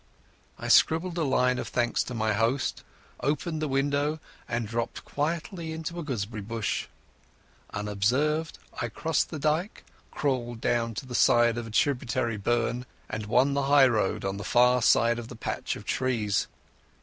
I scribbled a line of thanks to my host, opened the window, and dropped quietly into a gooseberry bush. Unobserved I crossed the dyke, crawled down the side of a tributary burn, and won the highroad on the far side of the patch of trees.